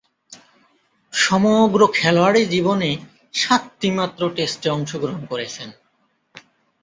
সমগ্র খেলোয়াড়ী জীবনে সাতটিমাত্র টেস্টে অংশগ্রহণ করেছেন।